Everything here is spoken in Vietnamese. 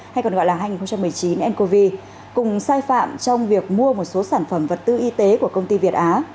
hay còn gọi là hai nghìn một mươi chín ncov cùng sai phạm trong việc mua một số sản phẩm vật tư y tế của công ty việt á